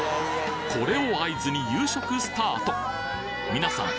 これを合図に夕食スタートみなさん